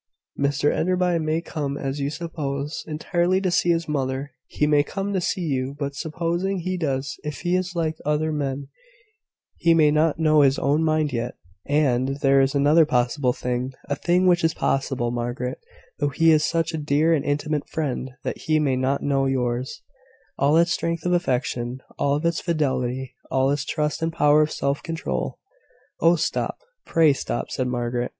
Mr Enderby may come, as you suppose, entirely to see his mother. He may come to see you: but, supposing he does, if he is like other men, he may not know his own mind yet: and, there is another possible thing a thing which is possible, Margaret, though he is such a dear and intimate friend that he may not know yours all its strength of affection, all its fidelity, all its trust and power of self control." "Oh, stop; pray stop," said Margaret.